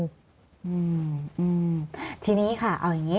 อืมทีนี้ค่ะเอาอย่างงี้